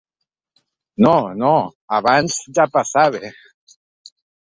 “No, no, abans ja passava…”